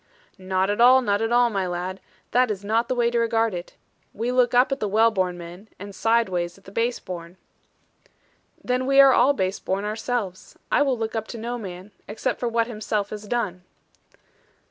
'Not at all, not at all, my lad. That is not the way to regard it. We look up at the well born men, and side ways at the base born.' 'Then we are all base born ourselves. I will look up to no man, except for what himself has done.'